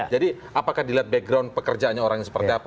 jadi apakah dilihat background pekerjaannya orang ini seperti apa